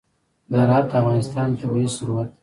زراعت د افغانستان طبعي ثروت دی.